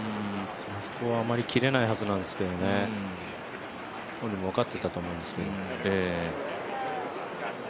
あそこはあまり切れないはずなんですけどね、本人も分かっていたと思うんですけど。